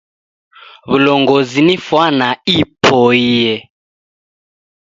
Wulongozi ni fwana ipoiye.